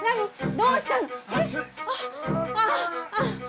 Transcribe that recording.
どうしたの⁉えっ？